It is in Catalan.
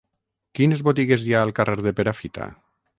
Quines botigues hi ha al carrer de Perafita?